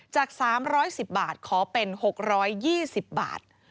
จาก๓๑๐บาทขอเป็น๖๒๐บาท